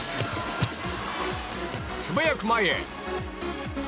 素早く前へ！